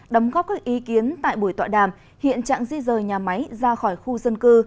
đóng góp các ý kiến tại buổi tọa đàm hiện trạng di rời nhà máy ra khỏi khu dân cư